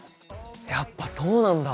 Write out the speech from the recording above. やっぱそうなんだ。